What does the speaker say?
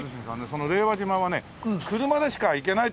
その令和島はね車でしか行けないっていう事で。